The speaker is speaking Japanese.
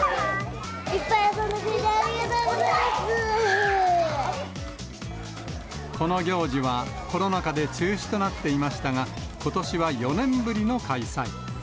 いっぱい遊んでくれてありがこの行事は、コロナ禍で中止となっていましたが、ことしは４年ぶりの開催。